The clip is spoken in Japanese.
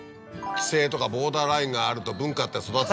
規制とかボーダーラインがあると文化って育つよね。